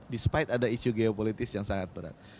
despite ada isu geopolitis yang sangat berat